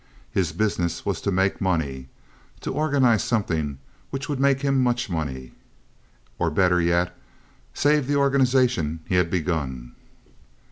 His business was to make money—to organize something which would make him much money, or, better yet, save the organization he had begun.